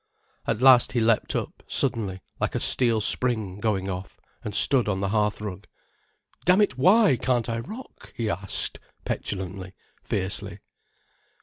At last he leapt up, suddenly, like a steel spring going off, and stood on the hearthrug. "Damn it, why can't I rock?" he asked petulantly, fiercely.